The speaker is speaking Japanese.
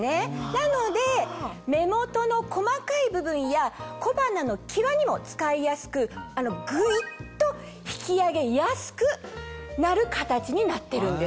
なので目元の細かい部分や小鼻の際にも使いやすくグイっと引き上げやすくなる形になってるんですよ。